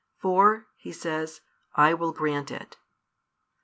For," He says, "I will grant it."